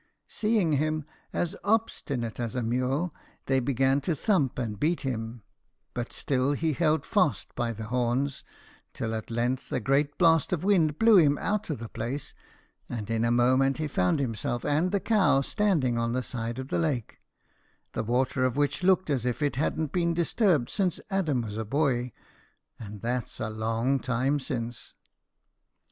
Seeing him as obstinate as a mule, they began to thump and beat him; but still he held fast by the horns, till at length a great blast of wind blew him out of the place, and in a moment he found himself and the cow standing on the side of the lake, the water of which looked as if it hadn't been disturbed since Adam was a boy and that's a long time since.